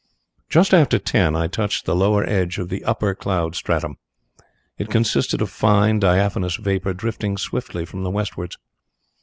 "Just after ten I touched the lower edge of the upper cloud stratum. It consisted of fine diaphanous vapour drifting swiftly from the westwards.